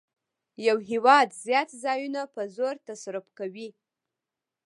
یو هېواد زیات ځایونه په زور تصرف کوي